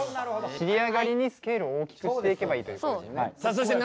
尻上がりにスケールを大きくしていけばいいということですよね。